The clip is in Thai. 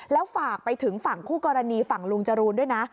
แล้วฝากไปถึงฝั่งคู่กรณีฝั่งลุงจรูนด้วยนะ